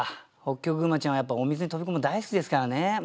きょくぐまちゃんはやっぱお水に飛び込むの大好きですからねうん。